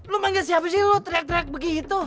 lo panggil siapa sih lo teriak teriak begitu